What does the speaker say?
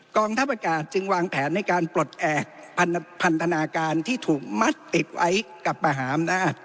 กองทัพอากาศจึงวางแผนในการปลดแอบพันธนาการที่ถูกมัดติดไว้กับมหาอำนาจ